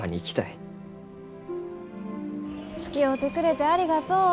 つきおうてくれてありがとう。